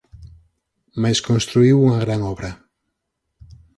Mais construíu unha gran obra.